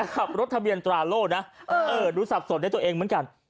ขับรถทะเบียนตราโล่นะดูสับสนในตัวเองเหมือนกัน